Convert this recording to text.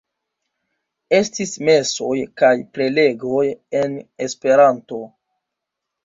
Estis mesoj kaj prelegoj en Esperanto.